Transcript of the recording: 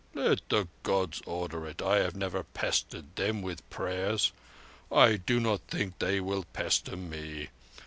"Let the Gods order it. I have never pestered Them with prayers. I do not think They will pester me.